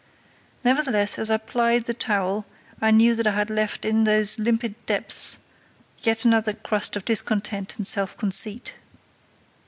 Nevertheless, as I plied the towel, I knew that I had left in those limpid depths yet another crust of discontent and self conceit.